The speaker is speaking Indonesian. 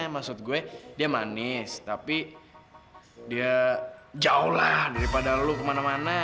maksud gue dia manis tapi dia jauh lah daripada lu kemana mana